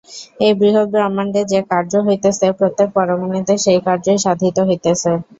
এই বৃহৎ ব্রহ্মাণ্ডে যে কার্য হইতেছে, প্রত্যেক পরমাণুতে সেই কার্যই সাধিত হইতেছে।